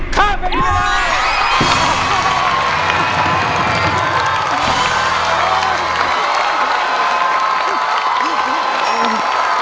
ข้ามเพลงนี้ไปเลย